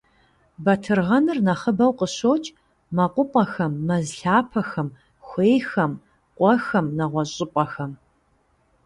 Батыргъэныр нэхъыбэу къыщокӏ мэкъупӏэхэм, мэз лъапэхэм, хуейхэм, къуэхэм, нэгъуэщӏ щӏыпӏэхэм.